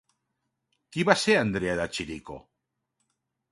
Qui va ser Andrea de Chirico?